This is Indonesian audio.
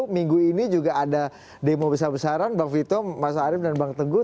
minggu ini juga ada demo besar besaran bang vito mas arief dan bang teguh